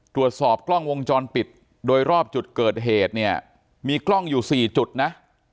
ตรวจสอบกล้องวงจรปิดโดยรอบจุดเกิดเหตุเนี่ยมีกล้องอยู่๔จุดนะ